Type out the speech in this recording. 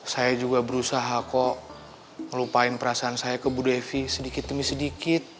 saya juga berusaha kok melupain perasaan saya ke bu devi sedikit demi sedikit